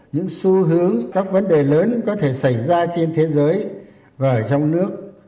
những xu hướng các vấn đề lớn có thể xảy ra trên thế giới và trong nước